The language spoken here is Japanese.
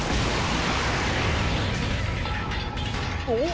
おっ！